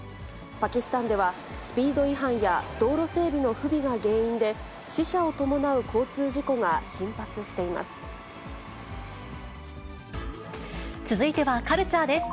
パキスタンでは、スピード違反や道路整備の不備が原因で、死者を伴う交通事故が頻発しています。